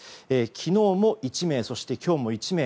昨日も１名、そして今日も１名。